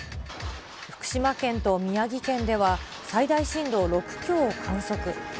福島県と宮城県では、最大震度６強を観測。